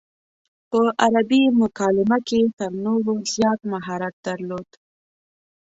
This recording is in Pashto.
په عربي مکالمه کې یې تر نورو زیات مهارت درلود.